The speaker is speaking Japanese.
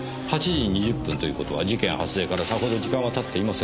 ８時２０分という事は事件発生からさほど時間は経っていませんねぇ。